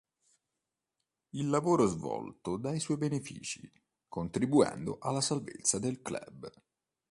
Il lavoro svolto da i suoi benefici, contribuendo alla salvezza del club.